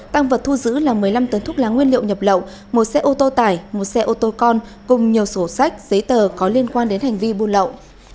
tăng vật thu giữ là một mươi năm tấn thuốc lá nguyên liệu nhập lậu một xe ô tô tải một xe ô tô con cùng nhiều sổ sách giấy tờ có liên quan đến hành vi buôn lậu